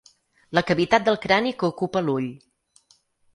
La cavitat del crani que ocupa l'ull.